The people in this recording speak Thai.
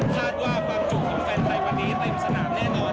คาดว่าภาคจุกของแฟนไทยจะเต็มสนามแน่นอน